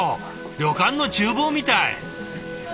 旅館のちゅう房みたい！